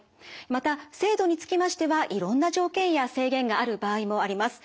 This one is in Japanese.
また制度につきましてはいろんな条件や制限がある場合もあります。